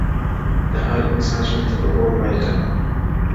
د هر انسان ژوند تــه بــه اور واى كـــــنــــه ـ